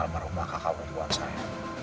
almarhumah kakak perempuan saya